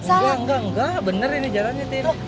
enggak enggak enggak bener ini jalannya